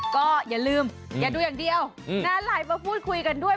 ก็อย่าลืมอย่าดูอย่างเดียวนะไลน์มาพูดคุยกันด้วย